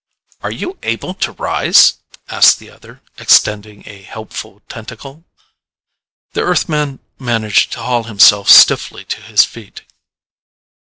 "Are you able to rise?" asked the other, extending a helpful tentacle. The Earthman managed to haul himself stiffly to his feet.